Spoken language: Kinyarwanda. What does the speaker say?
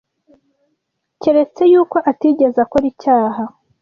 keretse yuko atigeze akora icyaha.”